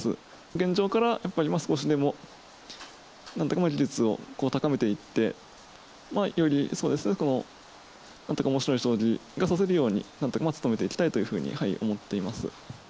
現状からやっぱり少しでもなんていうか技術を高めていって、より、そうですね、なんとかおもしろい将棋が指せるようになんていうか、努めていきたいというふうに思っています。